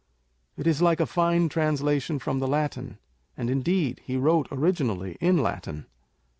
It is like a fine translation from the Latin ; and indeed, he wrote originally in Latin.